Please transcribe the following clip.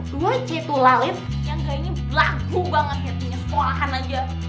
semua cetu lalit yang kayaknya lagu banget ya punya sekolahan aja